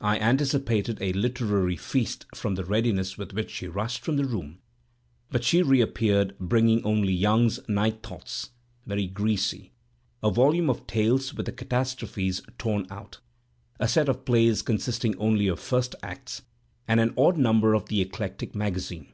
I anticipated a literary feast from the readiness with which she rushed from the room; but she reappeared, bringing only Young's Night Thoughts, (very greasy,) a volume of tales with the catastrophes torn out, a set of plays consisting only of first acts, and an odd number of the Eclectic Magazine.